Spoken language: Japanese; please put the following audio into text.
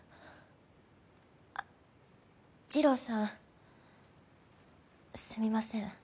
あっ治郎さんすみません。